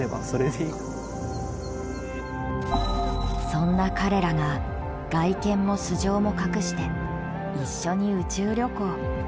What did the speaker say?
そんな彼らが外見も素性も隠して一緒に宇宙旅行。